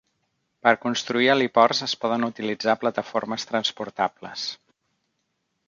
Per construir heliports es poden utilitzar plataformes transportables.